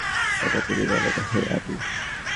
তারপর তিনি বললেন, হে আদী!